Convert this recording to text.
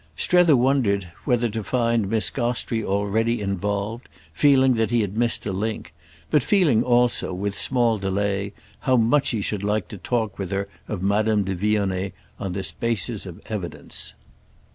Strether wondered to find Miss Gostrey already involved, feeling that he missed a link; but feeling also, with small delay, how much he should like to talk with her of Madame de Vionnet on this basis of evidence.